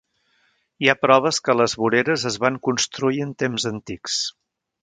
Hi ha proves que les voreres es van construir en temps antics.